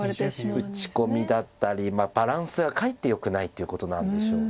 打ち込みだったりバランスがかえってよくないっていうことなんでしょう。